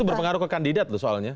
ini berpengaruh ke kandidat loh soalnya